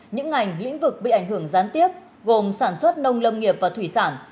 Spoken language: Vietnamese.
những ngành lĩnh vực bị ảnh hưởng gián tiếp gồm sản xuất nông lâm nghiệp và thủy sản